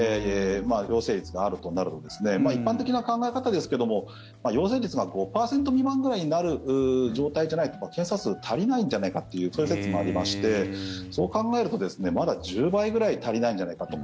陽性率があるとなると一般的な考え方ですけども陽性率が５％未満くらいになる状態じゃないと検査数足りないんじゃないかというそういう説もありましてそう考えるとまだ１０倍ぐらい足りないんじゃないかと。